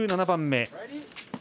１７番目。